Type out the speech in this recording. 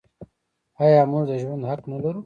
آیا موږ د ژوند حق نلرو؟